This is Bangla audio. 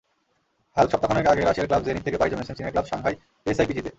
হাল্ক সপ্তাহখানেক আগে রাশিয়ার ক্লাব জেনিত থেকে পাড়ি জমিয়েছেন চীনের ক্লাব সাংহাই এসআইপিজিতে।